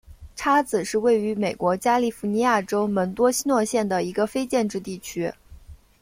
叉子是位于美国加利福尼亚州门多西诺县的一个非建制地区。